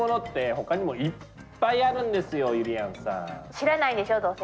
知らないんでしょどうせ。